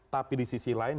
tapi di sisi lain